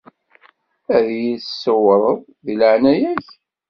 Ad yi-d-tṣewwreḍ, deg leɛnaya-k?